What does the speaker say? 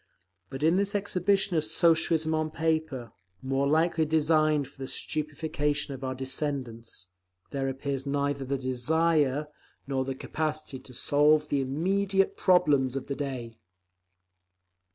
But in this exhibition of Socialism on Paper—more likely designed for the stupefaction of our descendants—there appears neither the desire nor the capacity to solve the immediate problems of the day!